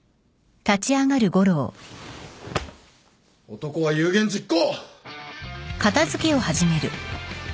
男は有言実行！